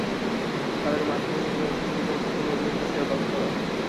তাঁদের মাধ্যমেই বিভিন্ন দেশের সুবিধাবঞ্চিত মেয়েদের উন্নত শিক্ষার ব্যবস্থা করা হবে।